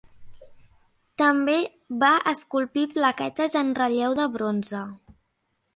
També va esculpir plaquetes en relleu de bronze.